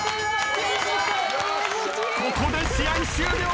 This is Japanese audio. ここで試合終了。